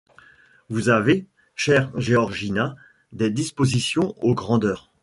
Vous avez, chère Georgina, des dispositions aux grandeurs.